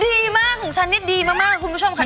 ดีมากของชานี่ดีมากคุณผู้ชมคะยกแปน